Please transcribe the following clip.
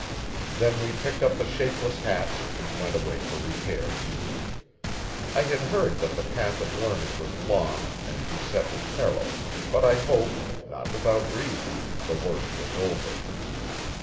Then we picked up the shapeless hats and went away for repairs. I had heard that the path of learning was long and beset with peril but I hoped, not without reason, the worst was over.